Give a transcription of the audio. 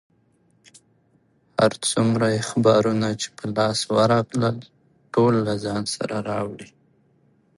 هر څومره اخبارونه چې په لاس ورغلل، ټول له ځان سره راوړي.